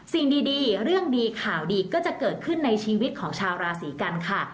สิ่งดีเรื่องดีข่าวดีก็จะเกิดขึ้นในชีวิตของชาวราศีกันค่ะ